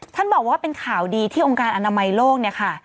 ท่านบอกว่าเป็นข่าวดีที่องค์การอนามัยโลกเนี่ยค่ะ